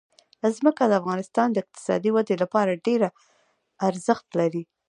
ځمکه د افغانستان د اقتصادي ودې لپاره ډېر ارزښت لري.